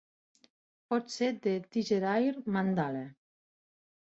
Pot ser de Tigerair Mandala.